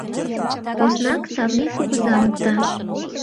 — Поснак Савлий кугыза мокта.